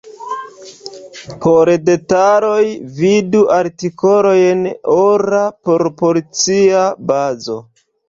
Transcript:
Por detaloj, vidu artikolojn ora proporcia bazo.